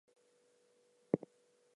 Reach out, beyond your immediate neighbors.